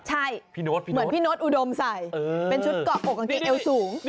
ใช่เหมือนพี่โน๊ตอุดมใส่เป็นชุดเกาะอกกางเกงเอวสูง